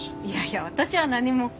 いやいや私は何も。